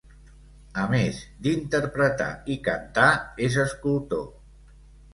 A més d'interpretar i cantar, és escultor.